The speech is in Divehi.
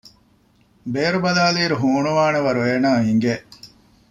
ބޭރު ބަލާލިއިރު ހޫނުވާނެ ވަރު އޭނާއަށް އެނގެ